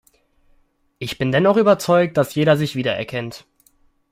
Ich bin dennoch überzeugt, dass jeder sich wiedererkennt.